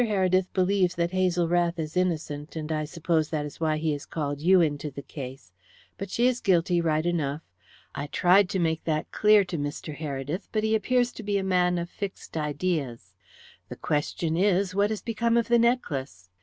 Heredith believes that Hazel Rath is innocent, and I suppose that is why he has called you into the case. But she is guilty, right enough. I tried to make that clear to Mr. Heredith, but he appears to be a man of fixed ideas. The question is, what has become of the necklace?